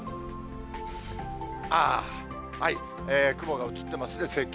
ああ、雲が映っていますね、積雲。